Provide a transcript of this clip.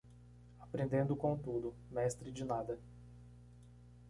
Aprendendo com tudo, mestre de nada.